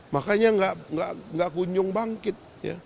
makanya gak kunjung bangkit